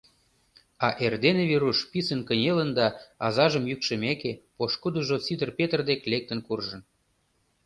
А эрдене Веруш писын кынелын да, азажым йӱкшымеке, пошкудыжо Сидыр Петр дек лектын куржын.